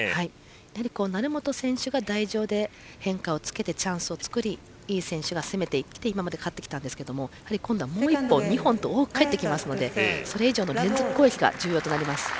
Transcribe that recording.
成本選手が台上で変化をつけてチャンスを作り井選手が攻めてきて今まで勝ってきたんですが今度は１本、２本と多く返ってきますからそれ以上の連続攻撃が重要となります。